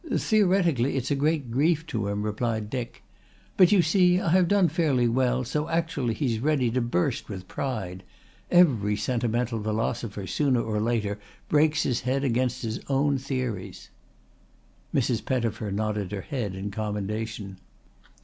"Theoretically it's a great grief to him," replied Dick. "But you see I have done fairly well, so actually he's ready to burst with pride. Every sentimental philosopher sooner or later breaks his head against his own theories." Mrs. Pettifer nodded her head in commendation.